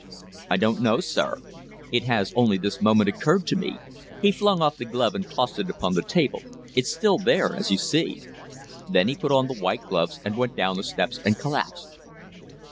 "I don't know, sir. It has only this moment occurred to me. He flung off the glove and tossed it upon the table. It's still there as you see. Then he put on the white gloves and went down the steps and collapsed."